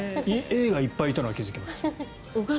エイがいっぱいいたのは気付きましたが。